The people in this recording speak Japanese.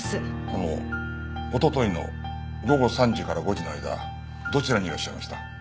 あのおとといの午後３時から５時の間どちらにいらっしゃいました？